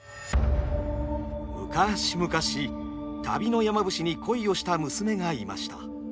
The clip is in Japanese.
昔々旅の山伏に恋をした娘がいました。